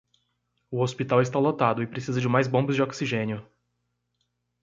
O hospital está lotado e precisa de mais bombas de oxigênio